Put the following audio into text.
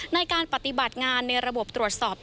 ในการปฏิบัติงานในระบบตรวจสอบ